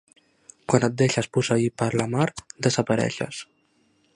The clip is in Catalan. Quan et deixes posseir per la mar desapareixes.